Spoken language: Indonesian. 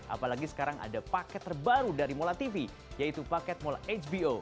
apalagi sekarang ada paket terbaru dari mola tv yaitu paket mola hbo